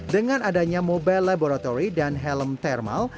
dengan adanya mobile laboratory dan helm thermal